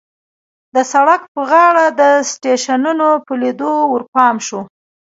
د سړک په غاړو د سټېشنونو په لیدو ورپام شو.